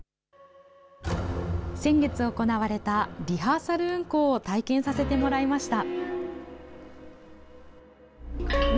先月行われたリハーサル運行を体験させてもらいました。